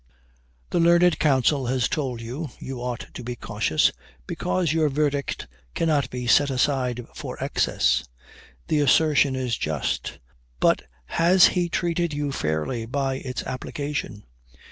"The learned counsel has told you, you ought to be cautious, because your verdict cannot be set aside for excess. The assertion is just; but has he treated you fairly by its application?